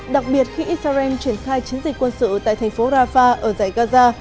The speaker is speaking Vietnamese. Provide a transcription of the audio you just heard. đặc biệt khi israel triển khai chiến dịch quân sự tại thành phố rafah ở giải gaza